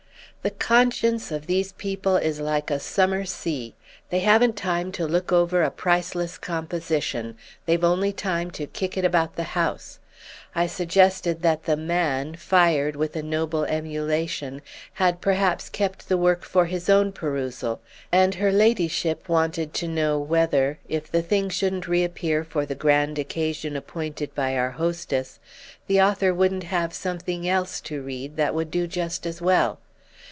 "The conscience of these people is like a summer sea. They haven't time to look over a priceless composition; they've only time to kick it about the house. I suggested that the 'man,' fired with a noble emulation, had perhaps kept the work for his own perusal; and her ladyship wanted to know whether, if the thing shouldn't reappear for the grand occasion appointed by our hostess, the author wouldn't have something else to read that would do just as well.